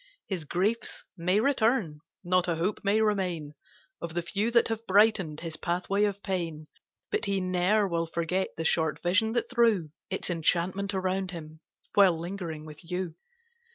5 His griefs may return, not a hope may remain Of the few that have brighten 'd his pathway of pain, But he ne'er will forget the short vision that threw Its enchantment around him, while lingering with you.